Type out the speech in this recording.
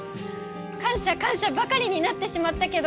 感謝感謝ばかりになってしまったけど。